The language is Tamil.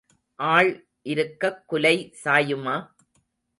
ஆள் இருக்கக் குலை சாயுமா?